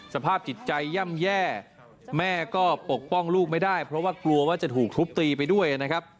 สภาพจิตใจย่ำแย่แม่ก็ปกป้องลูกไม่ได้เพราะว่ากลัวว่าจะถูกทุบตีไปด้วยนะครับ